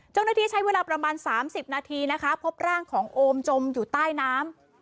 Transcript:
เจ้าหน้าที่ใช้เวลาประมาณ๓๐นาทีนะคะพบร่างของโอมจมอยู่ใต้น้ำ